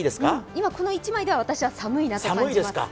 今、この１枚では私は寒いなと感じます。